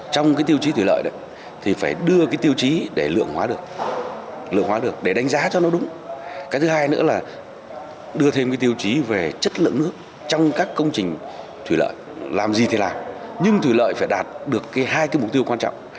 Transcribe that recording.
trong các công trình thủy lợi làm gì thì làm nhưng thủy lợi phải đạt được hai mục tiêu quan trọng